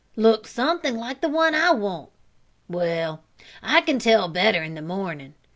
Looked something like the one I want. Well, I can tell better in the mornin'.